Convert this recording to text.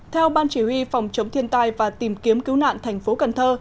theo ban chỉ huy phòng chống thiên tai và tìm kiếm cứu nạn thành phố cần thơ